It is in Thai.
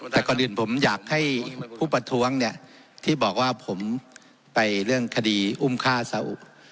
แต่ก่อนอื่นผมอยากให้ผู้ประท้วงเนี่ยที่บอกว่าผมไปเรื่องคดีอุ้มฆ่าสาว